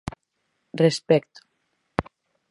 ¡Respecto!